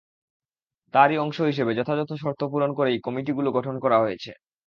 তারই অংশ হিসেবে যথাযথ শর্ত পূরণ করেই কমিটিগুলো গঠন করা হয়েছে।